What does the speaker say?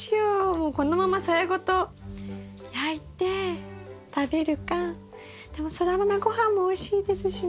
もうこのままさやごと焼いて食べるかでもソラマメごはんもおいしいですしね。